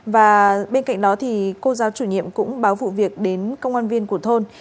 và bên cạnh đó thì cô giáo chủ nhiệm cũng báo vụ việc đến công an viên của thôn